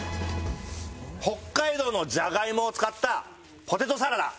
北海道のじゃがいもを使ったポテトサラダ。